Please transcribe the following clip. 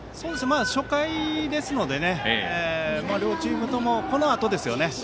初回ですので両チームともこのあとですよね。